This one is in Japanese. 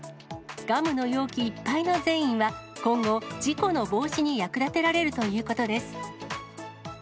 ガムの容器いっぱいの善意は、今後、事故の防止に役立てられるということです。